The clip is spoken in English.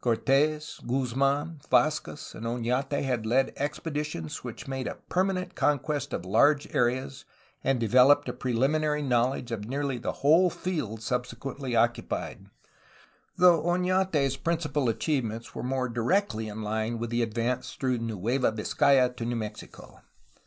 Cortes, Guzmd,n, Vdzquez, and Onate had led expeditions which made a per manent conquest of large areas and developed a preliminary knowledge of nearly the whole field subsequently occupied, though Onate's principal achievements were more directly in line with the advance through Nueva Vizcaya to New Mexico.